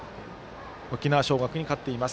沖縄尚学に勝っています。